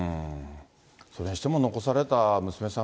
それにしても残された娘さん